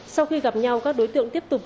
sau khi gặp nhau các đối tượng tiếp tục